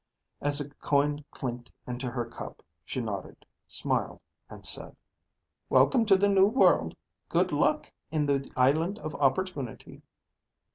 As a coin clinked into her cup, she nodded, smiled, and said, "Welcome to the New World. Good luck in the Island of Opportunity."